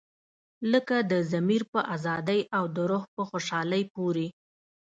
لکه د ضمیر په ازادۍ او د روح په خوشحالۍ پورې.